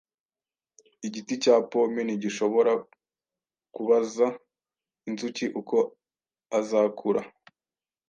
Igiti cya pome ntigishobora kubaza inzuki uko azakura